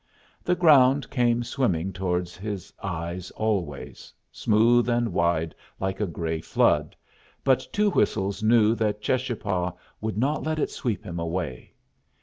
The ground came swimming towards his eyes always, smooth and wide like a gray flood, but Two Whistles knew that Cheschapah would not let it sweep him away.